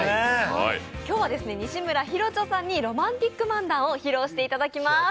今日は西村ヒロチョさんにロマンティック漫談を披露していただきます。